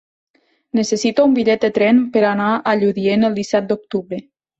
Necessito un bitllet de tren per anar a Lludient el disset d'octubre.